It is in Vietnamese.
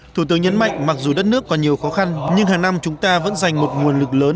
thủ tướng nhấn mạnh mặc dù đất nước còn nhiều khó khăn nhưng hàng năm chúng ta vẫn dành một nguồn lực lớn